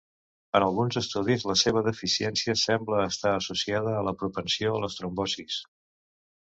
En alguns estudis la seva deficiència sembla estar associada a la propensió a les trombosis.